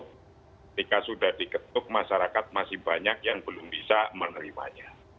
ketika sudah diketuk masyarakat masih banyak yang belum bisa menerimanya